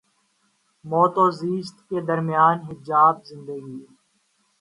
موت و زیست کے درمیاں حجاب زندگی